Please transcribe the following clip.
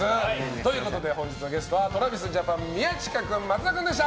ということで本日のゲストはＴｒａｖｉｓＪａｐａｎ宮近君、松田君でした。